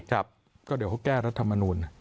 ครับก็เดี๋ยวเขาแก้รัฐมนูล